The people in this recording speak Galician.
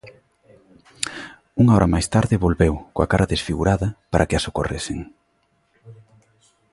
Unha hora máis tarde volveu, coa cara desfigurada, para que a socorresen.